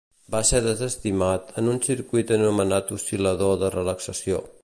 Va ser desestimat en un circuit anomenat oscil·lador de relaxació.